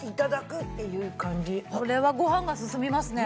これはご飯が進みますね。